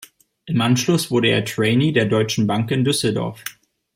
Im Anschluss wurde er Trainee der Deutschen Bank in Düsseldorf.